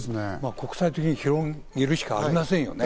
国際的に広げるしかありませんよね。